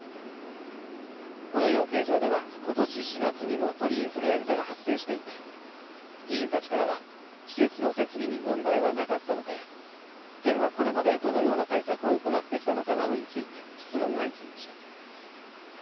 この養鶏場では、ことし４月にも鳥インフルエンザが発生していて議員たちからは、施設の設備に問題はなかったのかや県は、これまでどのような対策を行ってきたのかなどについて質問が相次ぎました。